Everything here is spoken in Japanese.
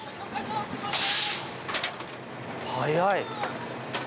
速い。